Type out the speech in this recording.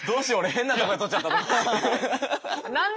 変なとこで撮っちゃった。